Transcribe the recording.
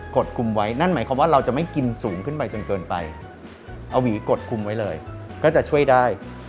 ดคุมไว้นั่นหมายความว่าเราจะไม่กินสูงขึ้นไปจนเกินไปเอาหวีกดคุมไว้เลยก็จะช่วยได้